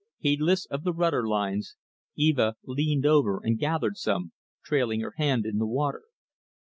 Heedless of the rudder lines, Eva leaned over and gathered some, trailing her hand in the water.